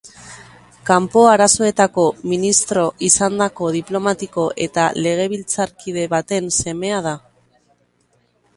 Kanpo Arazoetako ministro izandako diplomatiko eta legebiltzarkide baten semea da.